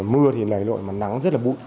mưa thì lầy lội mà nắng rất là bụi